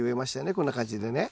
こんな感じでね。